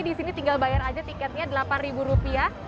di sini tinggal bayar aja tiketnya delapan ribu rupiah